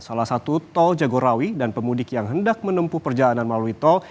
salah satu tol jagorawi dan pemudik yang hendak menempuh perjalanan melalui tol